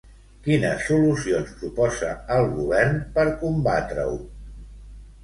Quines solucions proposa el govern per combatre-ho?